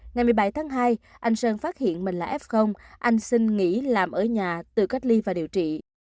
ngày một mươi bảy tháng hai anh sơn phát hiện mình là f anh sinh nghỉ làm ở nhà tự cách ly và điều trị